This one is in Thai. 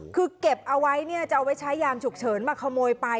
คือเก็บเอาไว้เนี่ยจะเอาไว้ใช้ยามฉุกเฉินมาขโมยไป